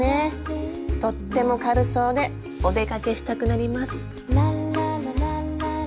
とっても軽そうでお出かけしたくなります。